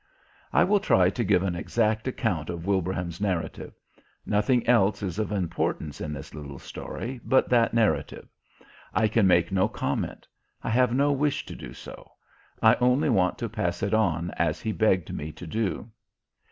I will try to give an exact account of Wilbraham's narrative; nothing else is of importance in this little story but that narrative; I can make no comment. I have no wish to do so. I only want to pass it on as he begged me to do.